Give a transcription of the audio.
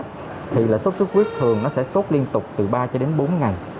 thì là sốt xuất huyết thường nó sẽ sốt liên tục từ ba cho đến bốn ngày